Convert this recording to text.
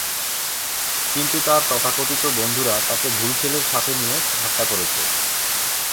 কিন্তু তার তথাকথিত বন্ধুরা তাকে ভুল ছেলের সাথে নিয়ে ঠাট্টা করেছে।